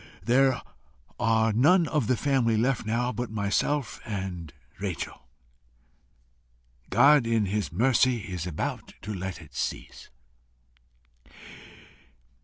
There are none of the family left now but myself and Rachel. God in his mercy is about to let it cease.